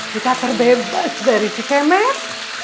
kita terbebas dari cikemet